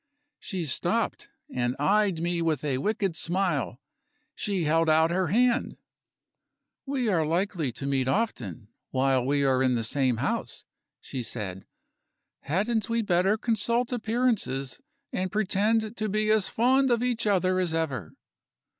She stopped, and eyed me with a wicked smile; she held out her hand. "We are likely to meet often, while we are in the same house," she said; "hadn't we better consult appearances, and pretend to be as fond of each other as ever?"